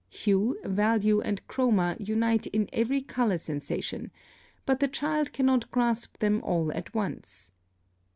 ] Hue, value, and chroma unite in every color sensation, but the child cannot grasp them all at once.